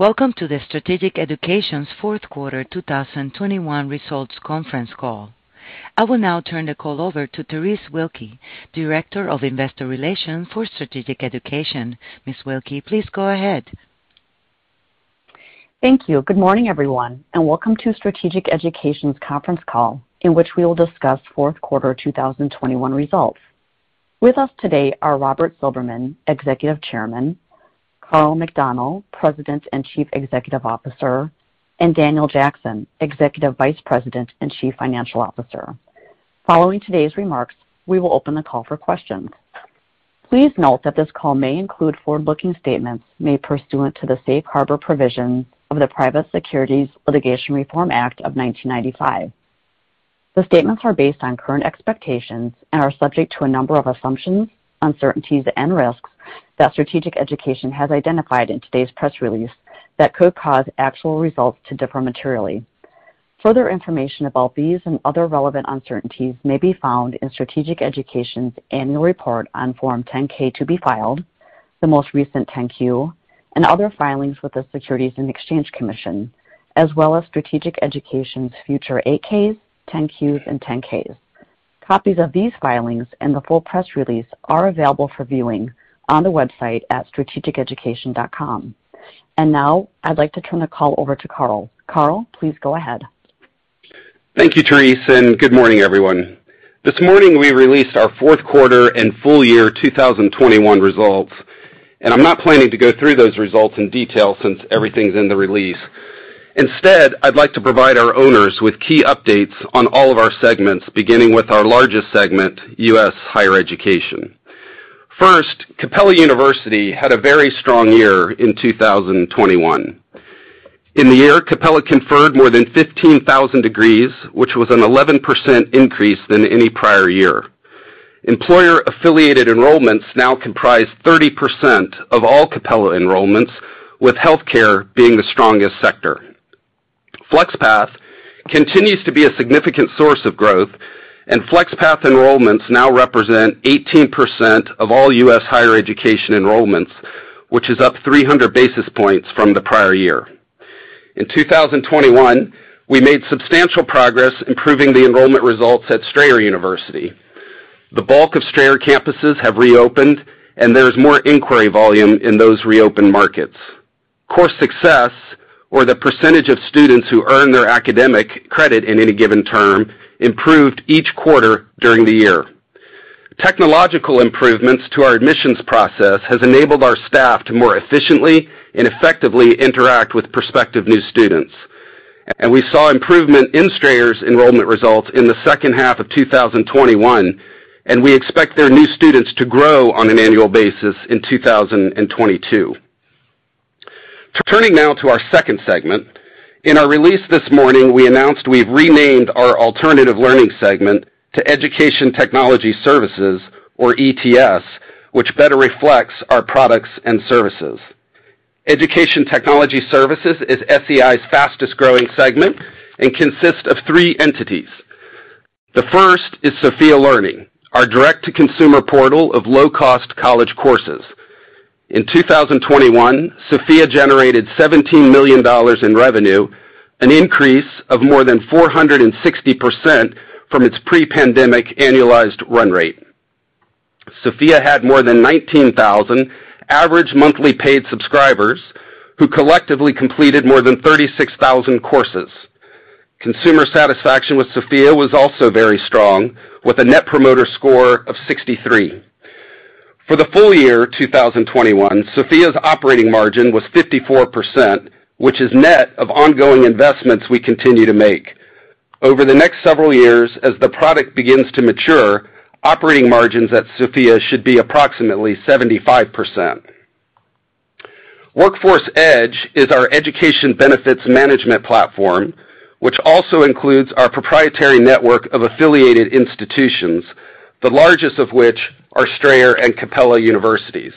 Welcome to Strategic Education's fourth quarter 2021 results conference call. I will now turn the call over to Terese Wilke, Director of Investor Relations for Strategic Education. Ms. Wilke, please go ahead. Thank you. Good morning, everyone, and welcome to Strategic Education's conference call, in which we will discuss fourth quarter 2021 results. With us today are Robert Silberman, Executive Chairman, Karl McDonnell, President and Chief Executive Officer, and Daniel Jackson, Executive Vice President and Chief Financial Officer. Following today's remarks, we will open the call for questions. Please note that this call may include forward-looking statements made pursuant to the safe harbor provisions of the Private Securities Litigation Reform Act of 1995. The statements are based on current expectations and are subject to a number of assumptions, uncertainties, and risks that Strategic Education has identified in today's press release that could cause actual results to differ materially. Further information about these and other relevant uncertainties may be found in Strategic Education's Annual Report on Form 10-K to be filed, the most recent 10-Q, and other filings with the Securities and Exchange Commission, as well as Strategic Education's future 8-Ks, 10-Qs, and 10-Ks. Copies of these filings and the full press release are available for viewing on the website at strategiceducation.com. Now I'd like to turn the call over to Karl. Karl, please go ahead. Thank you, Terese, and good morning, everyone. This morning, we released our fourth quarter and full year 2021 results, and I'm not planning to go through those results in detail since everything's in the release. Instead, I'd like to provide our owners with key updates on all of our segments, beginning with our largest segment, U.S. Higher Education. First, Capella University had a very strong year in 2021. In the year, Capella conferred more than 15,000 degrees, which was an 11% increase than any prior year. Employer-affiliated enrollments now comprise 30% of all Capella enrollments, with healthcare being the strongest sector. FlexPath continues to be a significant source of growth, and FlexPath enrollments now represent 18% of all U.S. Higher Education enrollments, which is up 300 basis points from the prior year. In 2021, we made substantial progress improving the enrollment results at Strayer University. The bulk of Strayer campuses have reopened, and there is more inquiry volume in those reopened markets. Course success or the percentage of students who earn their academic credit in any given term improved each quarter during the year. Technological improvements to our admissions process has enabled our staff to more efficiently and effectively interact with prospective new students. We saw improvement in Strayer's enrollment results in the second half of 2021, and we expect their new students to grow on an annual basis in 2022. Turning now to our second segment. In our release this morning, we announced we've renamed our Alternative Learning segment to Education Technology Services or ETS, which better reflects our products and services. Education Technology Services is SEI's fastest-growing segment and consists of three entities. The first is Sophia Learning, our direct-to-consumer portal of low-cost college courses. In 2021, Sophia generated $17 million in revenue, an increase of more than 460% from its pre-pandemic annualized run rate. Sophia had more than 19,000 average monthly paid subscribers who collectively completed more than 36,000 courses. Consumer satisfaction with Sophia was also very strong, with a Net Promoter Score of 63. For the full year 2021, Sophia's operating margin was 54%, which is net of ongoing investments we continue to make. Over the next several years, as the product begins to mature, operating margins at Sophia should be approximately 75%. Workforce Edge is our education benefits management platform, which also includes our proprietary network of affiliated institutions, the largest of which are Strayer and Capella universities.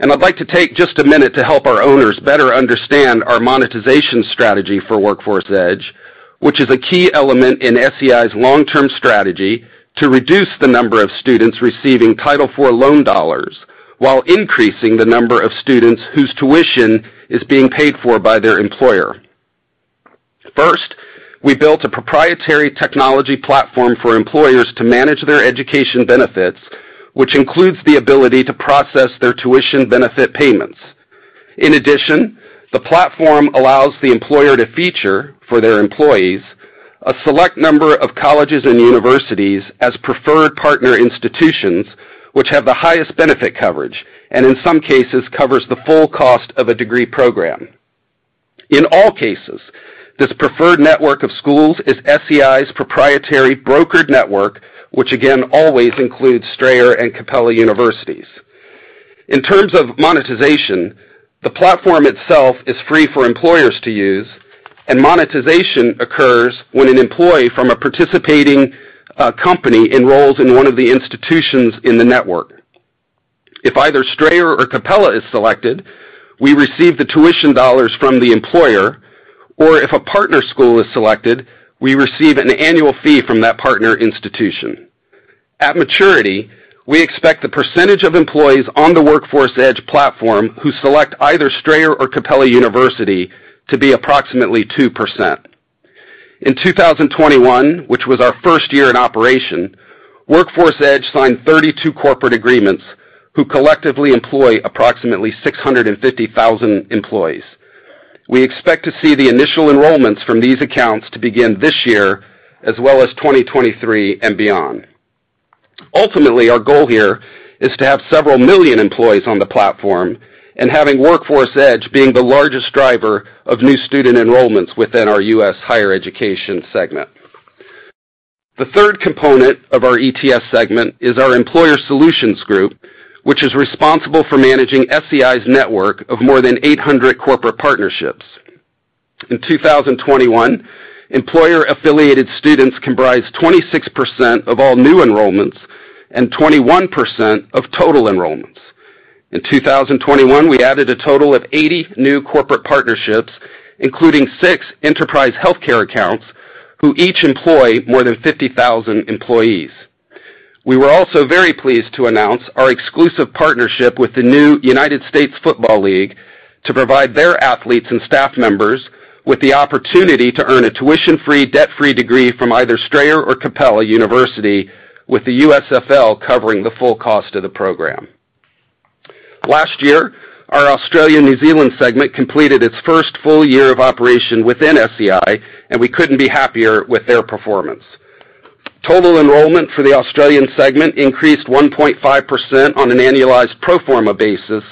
I'd like to take just a minute to help our owners better understand our monetization strategy for Workforce Edge, which is a key element in SEI's long-term strategy to reduce the number of students receiving Title IV loan dollars while increasing the number of students whose tuition is being paid for by their employer. First, we built a proprietary technology platform for employers to manage their education benefits, which includes the ability to process their tuition benefit payments. In addition, the platform allows the employer to feature, for their employees, a select number of colleges and universities as preferred partner institutions, which have the highest benefit coverage, and in some cases, covers the full cost of a degree program. In all cases, this preferred network of schools is SEI's proprietary brokered network, which again always includes Strayer and Capella universities. In terms of monetization, the platform itself is free for employers to use, and monetization occurs when an employee from a participating company enrolls in one of the institutions in the network. If either Strayer or Capella is selected, we receive the tuition dollars from the employer, or if a partner school is selected, we receive an annual fee from that partner institution. At maturity, we expect the percentage of employees on the Workforce Edge platform who select either Strayer or Capella University to be approximately 2%. In 2021, which was our first year in operation, Workforce Edge signed 32 corporate agreements who collectively employ approximately 650,000 employees. We expect to see the initial enrollments from these accounts to begin this year, as well as 2023 and beyond. Ultimately, our goal here is to have several million employees on the platform and having Workforce Edge being the largest driver of new student enrollments within our U.S. Higher Education segment. The third component of our ETS segment is our employer solutions group, which is responsible for managing SEI's network of more than 800 corporate partnerships. In 2021, employer-affiliated students comprised 26% of all new enrollments and 21% of total enrollments. In 2021, we added a total of 80 new corporate partnerships, including six enterprise healthcare accounts, who each employ more than 50,000 employees. We were also very pleased to announce our exclusive partnership with the new United States Football League to provide their athletes and staff members with the opportunity to earn a tuition-free, debt-free degree from either Strayer University or Capella University, with the USFL covering the full cost of the program. Last year, our Australia/New Zealand segment completed its first full year of operation within SEI, and we couldn't be happier with their performance. Total enrollment for the Australian segment increased 1.5% on an annualized pro forma basis,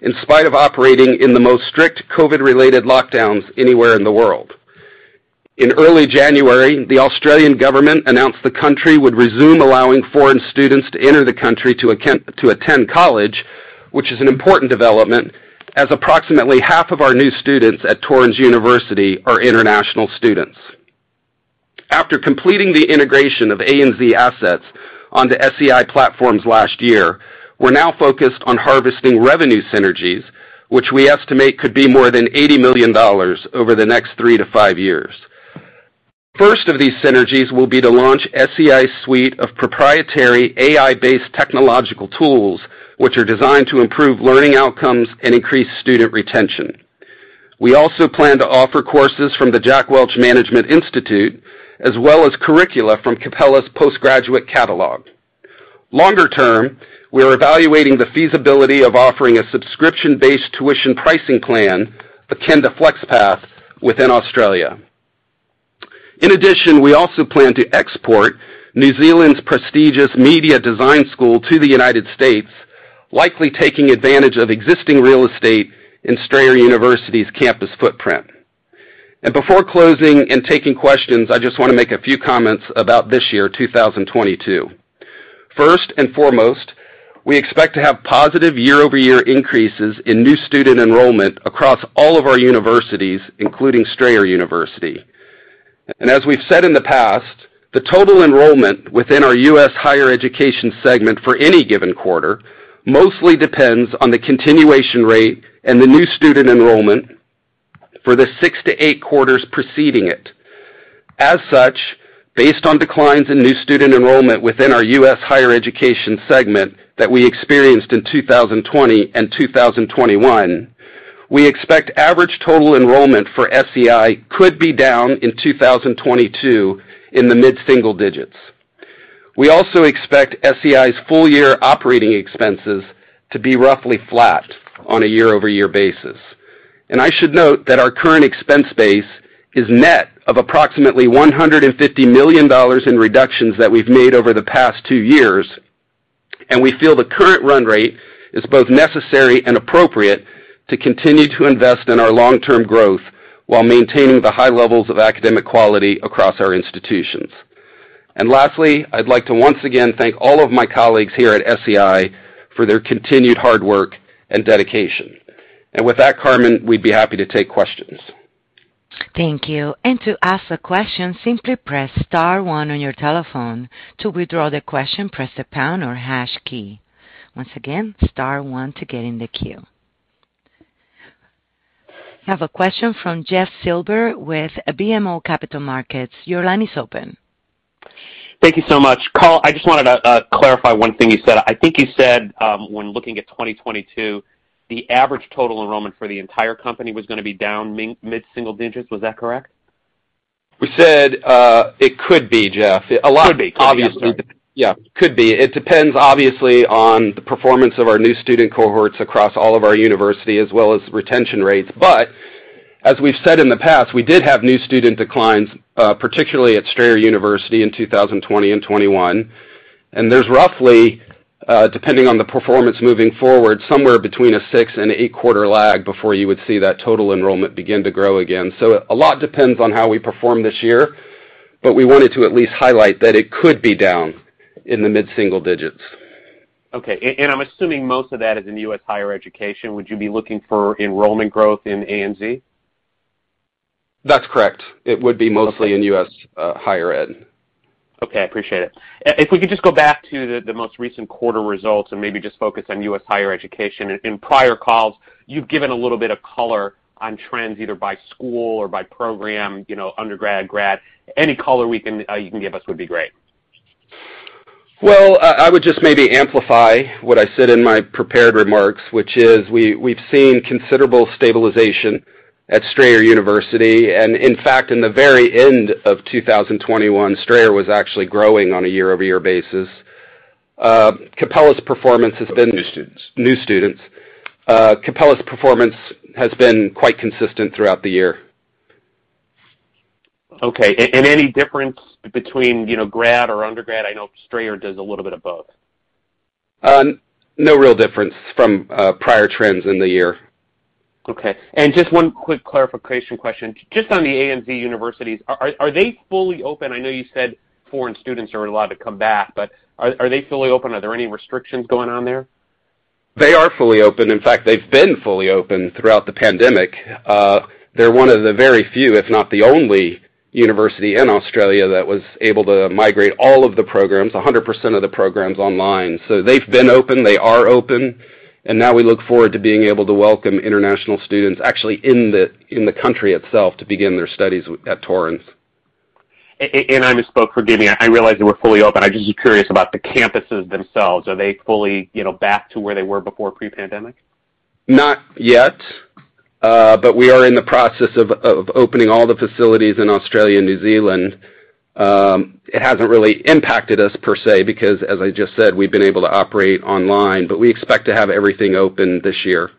in spite of operating in the most strict COVID-related lockdowns anywhere in the world. In early January, the Australian government announced the country would resume allowing foreign students to enter the country to attend college, which is an important development as approximately 1/2 of our new students at Torrens University are international students. After completing the integration of ANZ assets on the SEI platforms last year, we're now focused on harvesting revenue synergies, which we estimate could be more than $80 million over the next three-five years. First of these synergies will be to launch SEI's suite of proprietary AI-based technological tools, which are designed to improve learning outcomes and increase student retention. We also plan to offer courses from the Jack Welch Management Institute, as well as curricula from Capella's postgraduate catalog. Longer term, we are evaluating the feasibility of offering a subscription-based tuition pricing plan, akin to FlexPath, within Australia. In addition, we also plan to export New Zealand's prestigious Media Design School to the United States, likely taking advantage of existing real estate in Strayer University's campus footprint. Before closing and taking questions, I just wanna make a few comments about this year, 2022. First and foremost, we expect to have positive year-over-year increases in new student enrollment across all of our universities, including Strayer University. As we've said in the past, the total enrollment within our U.S. Higher Education segment for any given quarter mostly depends on the continuation rate and the new student enrollment for the six-eight quarters preceding it. As such, based on declines in new student enrollment within our U.S. Higher Education segment that we experienced in 2020 and 2021, we expect average total enrollment for SEI could be down in 2022 in the mid-single-digits. We also expect SEI's full year operating expenses to be roughly flat on a year-over-year basis. I should note that our current expense base is net of approximately $150 million in reductions that we've made over the past two years, and we feel the current run rate is both necessary and appropriate to continue to invest in our long-term growth while maintaining the high levels of academic quality across our institutions. Lastly, I'd like to once again thank all of my colleagues here at SEI for their continued hard work and dedication. With that, Carmen, we'd be happy to take questions. Thank you. To ask a question, simply press star one on your telephone. To withdraw the question, press the pound or hash key. Once again, star one to get in the queue. I have a question from Jeff Silber with BMO Capital Markets. Your line is open. Thank you so much. Karl, I just wanted to clarify one thing you said. I think you said, when looking at 2022, the average total enrollment for the entire company was gonna be down mid-single-digits. Was that correct? We said, it could be, Jeff. Could be. A lot, obviously. Yes, sir. Yeah, could be. It depends obviously on the performance of our new student cohorts across all of our university as well as retention rates. As we've said in the past, we did have new student declines, particularly at Strayer University in 2020 and 2021. There's roughly, depending on the performance moving forward, somewhere between a six- and eight-quarter lag before you would see that total enrollment begin to grow again. A lot depends on how we perform this year, but we wanted to at least highlight that it could be down in the mid-single-digits. Okay. I'm assuming most of that is in U.S. Higher Education. Would you be looking for enrollment growth in ANZ? That's correct. It would be mostly in U.S. Higher Ed. Okay. I appreciate it. If we could just go back to the most recent quarter results and maybe just focus on U.S. Higher Education. In prior calls, you've given a little bit of color on trends, either by school or by program, you know, undergrad, grad. Any color you can give us would be great. Well, I would just maybe amplify what I said in my prepared remarks, which is we've seen considerable stabilization at Strayer University. In fact, in the very end of 2021, Strayer was actually growing on a year-over-year basis. Capella's performance has been- New students. New students. Capella's performance has been quite consistent throughout the year. Okay. Any difference between, you know, grad or undergrad? I know Strayer does a little bit of both. No real difference from prior trends in the year. Okay. Just one quick clarification question. Just on the ANZ universities, are they fully open? I know you said foreign students are allowed to come back, but are they fully open? Are there any restrictions going on there? They are fully open. In fact, they've been fully open throughout the pandemic. They're one of the very few, if not the only university in Australia that was able to migrate all of the programs, 100% of the programs online. They've been open, they are open, and now we look forward to being able to welcome international students actually in the country itself to begin their studies at Torrens. I misspoke, forgive me. I realized they were fully open. I'm just curious about the campuses themselves. Are they fully, you know, back to where they were before pre-pandemic? Not yet. We are in the process of opening all the facilities in Australia and New Zealand. It hasn't really impacted us per se because as I just said, we've been able to operate online, but we expect to have everything open this year.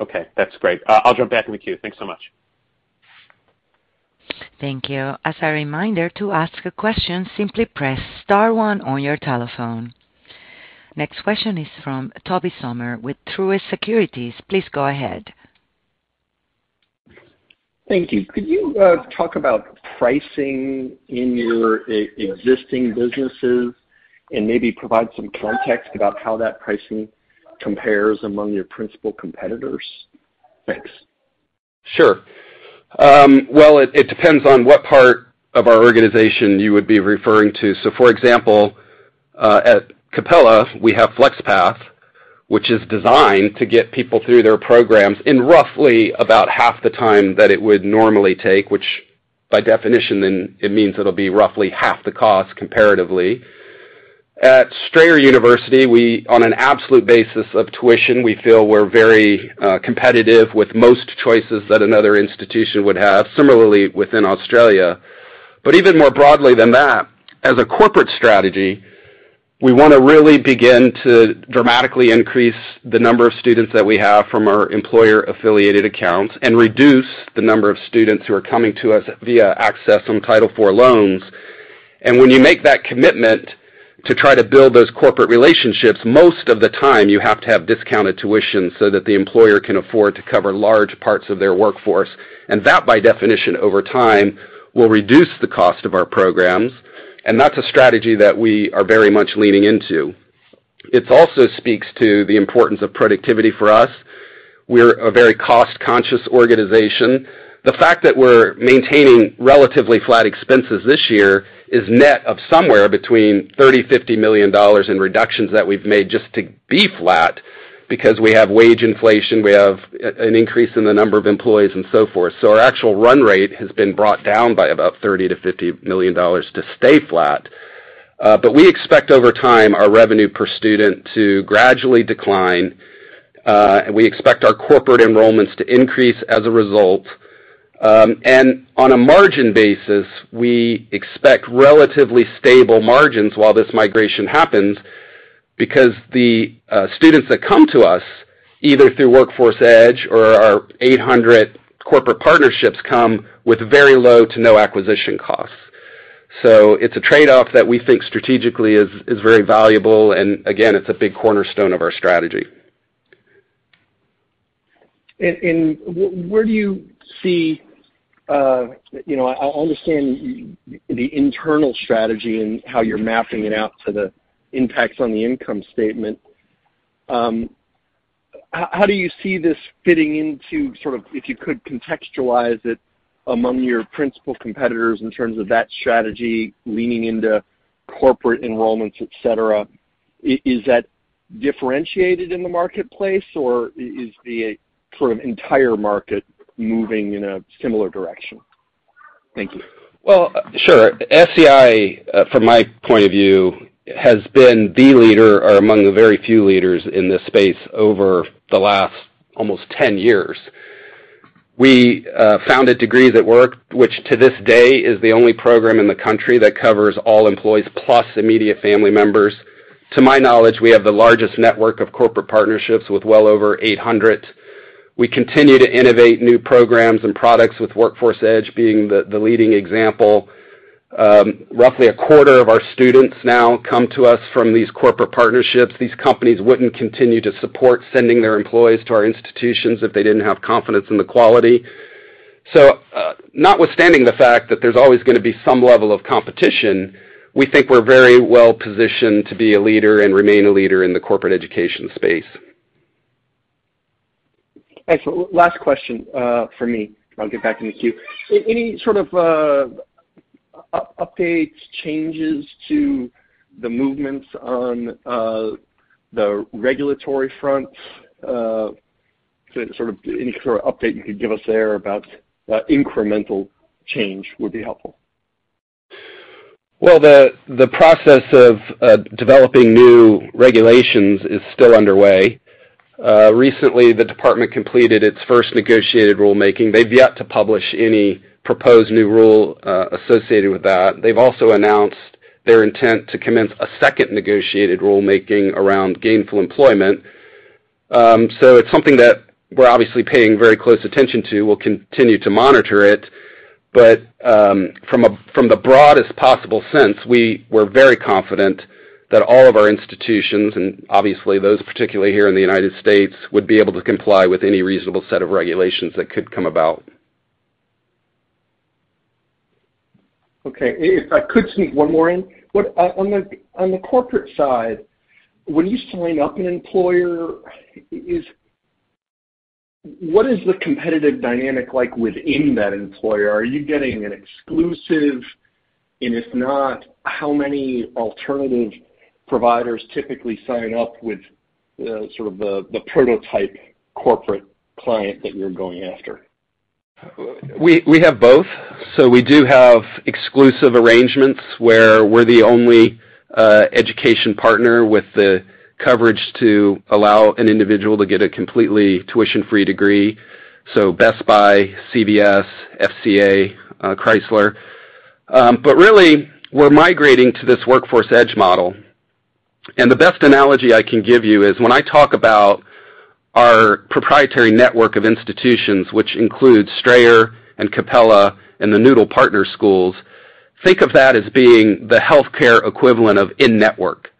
Okay, that's great. I'll jump back in the queue. Thanks so much. Thank you. As a reminder to ask a question, simply press star one on your telephone. Next question is from Tobey Sommer with Truist Securities. Please go ahead. Thank you. Could you talk about pricing in your existing businesses and maybe provide some context about how that pricing compares among your principal competitors? Thanks. Sure. Well, it depends on what part of our organization you would be referring to. For example, at Capella, we have FlexPath, which is designed to get people through their programs in roughly about 1/2 the time that it would normally take, which by definition, then it means it'll be roughly 1/2 the cost comparatively. At Strayer University, we on an absolute basis of tuition, we feel we're very competitive with most choices that another institution would have similarly within Australia. Even more broadly than that, as a corporate strategy, we wanna really begin to dramatically increase the number of students that we have from our employer-affiliated accounts and reduce the number of students who are coming to us via access on Title IV loans. When you make that commitment to try to build those corporate relationships, most of the time you have to have discounted tuition so that the employer can afford to cover large parts of their workforce. That, by definition over time, will reduce the cost of our programs, and that's a strategy that we are very much leaning into. It also speaks to the importance of productivity for us. We're a very cost-conscious organization. The fact that we're maintaining relatively flat expenses this year is net of somewhere between $30 million-$50 million in reductions that we've made just to be flat because we have wage inflation, we have an increase in the number of employees and so forth. Our actual run rate has been brought down by about $30 million-$50 million to stay flat. We expect over time our revenue per student to gradually decline. We expect our corporate enrollments to increase as a result. On a margin basis, we expect relatively stable margins while this migration happens because the students that come to us, either through Workforce Edge or our 800 corporate partnerships, come with very low to no acquisition costs. It's a trade-off that we think strategically is very valuable. Again, it's a big cornerstone of our strategy. Where do you see, you know, I understand the internal strategy and how you're mapping it out to the impacts on the income statement. How do you see this fitting into sort of if you could contextualize it among your principal competitors in terms of that strategy leaning into corporate enrollments, et cetera? Is that differentiated in the marketplace or is the sort of entire market moving in a similar direction? Thank you. Well, sure. SEI from my point of view has been the leader or among the very few leaders in this space over the last almost 10 years. We founded Degrees@Work, which to this day is the only program in the country that covers all employees plus immediate family members. To my knowledge, we have the largest network of corporate partnerships with well over 800. We continue to innovate new programs and products with Workforce Edge being the leading example. Roughly a quarter of our students now come to us from these corporate partnerships. These companies wouldn't continue to support sending their employees to our institutions if they didn't have confidence in the quality. Notwithstanding the fact that there's always gonna be some level of competition, we think we're very well positioned to be a leader and remain a leader in the corporate education space. Thanks. Last question from me. I'll get back in the queue. Any sort of updates, changes to the movements on the regulatory front. Sort of any sort of update you could give us there about incremental change would be helpful. Well, the process of developing new regulations is still underway. Recently, the department completed its first negotiated rulemaking. They've yet to publish any proposed new rule associated with that. They've also announced their intent to commence a second negotiated rulemaking around gainful employment. It's something that we're obviously paying very close attention to. We'll continue to monitor it. From the broadest possible sense, we're very confident that all of our institutions, and obviously those particularly here in the United States, would be able to comply with any reasonable set of regulations that could come about. Okay. If I could sneak one more in. What on the corporate side, when you sign up an employer, is the competitive dynamic like within that employer? Are you getting an exclusive? And if not, how many alternative providers typically sign up with the sort of prototype corporate client that you're going after? We have both. We do have exclusive arrangements where we're the only education partner with the coverage to allow an individual to get a completely tuition-free degree. Best Buy, CVS, FCA, Chrysler. Really, we're migrating to this Workforce Edge model. The best analogy I can give you is when I talk about our proprietary network of institutions, which includes Strayer and Capella and the Noodle Partners schools, think of that as being the healthcare equivalent of in-network.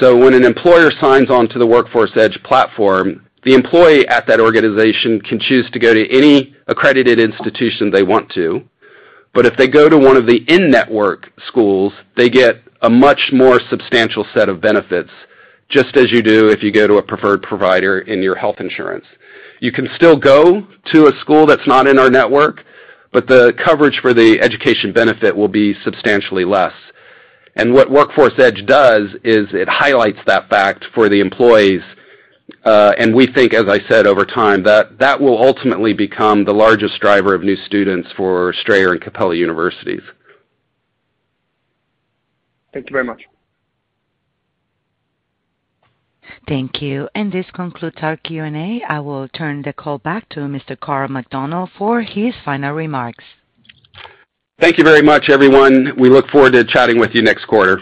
When an employer signs on to the Workforce Edge platform, the employee at that organization can choose to go to any accredited institution they want to. If they go to one of the in-network schools, they get a much more substantial set of benefits, just as you do if you go to a preferred provider in your health insurance. You can still go to a school that's not in our network, but the coverage for the education benefit will be substantially less. What Workforce Edge does is it highlights that fact for the employees. We think, as I said, over time, that will ultimately become the largest driver of new students for Strayer and Capella universities. Thank you very much. Thank you. This concludes our Q&A. I will turn the call back to Mr. Karl McDonnell for his final remarks. Thank you very much, everyone. We look forward to chatting with you next quarter.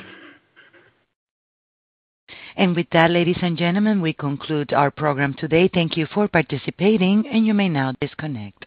With that, ladies and gentlemen, we conclude our program today. Thank you for participating, and you may now disconnect.